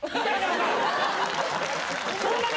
そんなに！